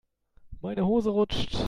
Meine Hose rutscht.